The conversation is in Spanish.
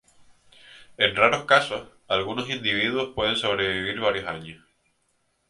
En raros casos, algunos individuos pueden sobrevivir varios años.